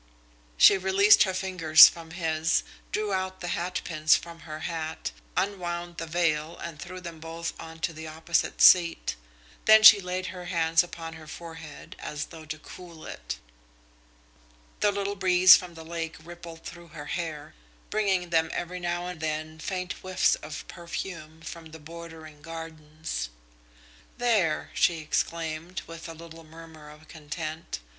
She released her fingers from his, drew out the hatpins from her hat, unwound the veil and threw them both on to the opposite seat. Then she laid her hands upon her forehead as though to cool it. The little breeze from the lake rippled through her hair, bringing them every now and then faint whiffs of perfume from the bordering gardens. "There!" she exclaimed, with a little murmur of content.